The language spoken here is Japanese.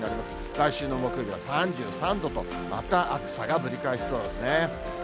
来週の木曜日は３３度と、また暑さがぶり返しそうですね。